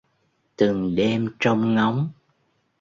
Từng đêm trông ngóng